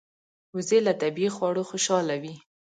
وزې له طبیعي خواړو خوشاله وي